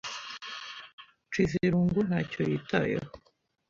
Nshizirungu ntacyo yitayeho.